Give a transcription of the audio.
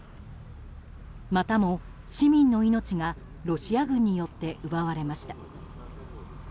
またも、市民の命がロシア軍によって奪われました。